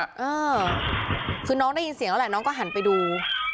เออคือน้องได้ยินเสียงแล้วแหละน้องก็หันไปดู